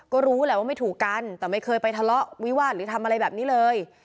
ก็รู้แหละว่าไม่ถูกกันแต่ไม่เคยไปทะเลาะวิวาสหรือทำอะไรแบบนี้เลย